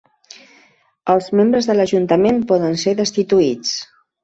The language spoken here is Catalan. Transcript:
Els membres de l'ajuntament poden ser destituïts.